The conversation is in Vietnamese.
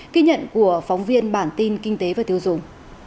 ký nhận của phóng viên bản tin kinh tế và tiêu dùng